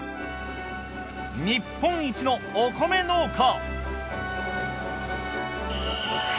日本一のお米農家！